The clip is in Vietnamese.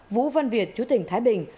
vũ văn việt chủ tỉnh thái bình